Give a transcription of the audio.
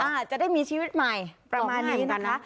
อาจจะได้มีชีวิตใหม่ประมาณนี้นะคะ